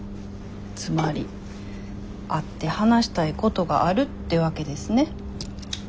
つまり会って話したいことがあるってわけですね。